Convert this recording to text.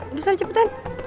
udah selesai cepetan